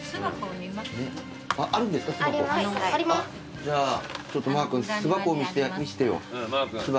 じゃあちょっとマー君巣箱を見せてよ巣箱。